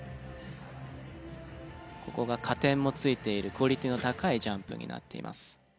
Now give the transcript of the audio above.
ここが加点もついているクオリティーの高いジャンプになっています。